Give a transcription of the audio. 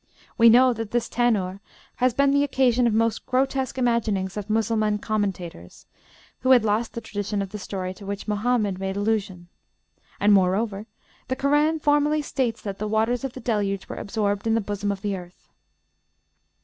We know that this tannur has been the occasion of most grotesque imaginings of Mussulman commentators, who had lost the tradition of the story to which Mohammed made allusion. And, moreover, the Koran formally states that the waters of the Deluge were absorbed in the bosom of the earth."